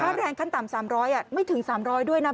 ค่าแรงขั้นต่ำสามร้อยอ่ะไม่ถึงสามร้อยด้วยนะ